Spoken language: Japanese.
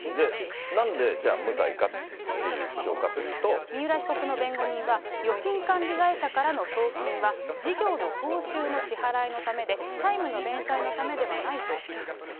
なんでじゃあ、三浦被告の弁護人は、預金管理会社からの送金は、事業の報酬の支払いのためで、債務の弁済のためではないということです。